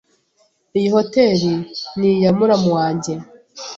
Iyi hoteri ni iya muramu wanjye.